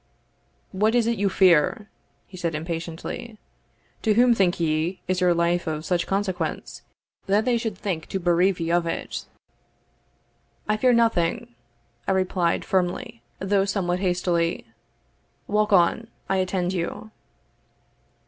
"What is it you fear?" he said impatiently. "To whom, think ye, is your life of such consequence, that they should seek to bereave ye of it?" "I fear nothing," I replied firmly, though somewhat hastily. "Walk on I attend you."